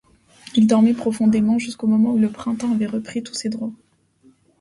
Il dormait profondément jusqu'au moment où le printemps avait repris tous ses droits.